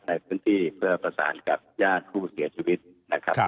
ในพื้นที่เพื่อประสานกับญาติผู้เสียชีวิตนะครับ